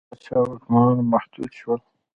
د پاچا واکونه محدود شول.